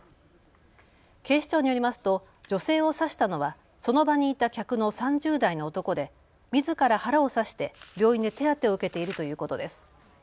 警視庁によりますと女性を刺したのはその場にいた客の３０代の男で、みずから腹を刺して病院で手当てを受けているということです。